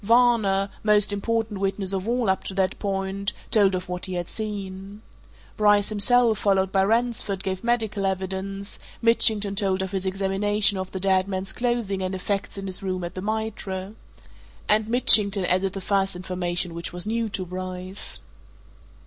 Varner most important witness of all up to that point told of what he had seen. Bryce himself, followed by Ransford, gave medical evidence; Mitchington told of his examination of the dead man's clothing and effects in his room at the Mitre. And Mitchington added the first information which was new to Bryce.